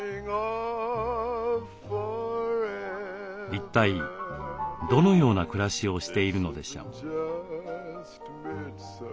一体どのような暮らしをしているのでしょう？